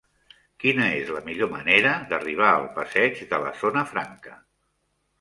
Quina és la millor manera d'arribar al passeig de la Zona Franca?